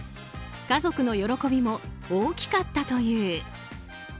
家族の喜びも大きかったという。